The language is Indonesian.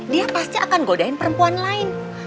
dia pasti akan godain perempuan lain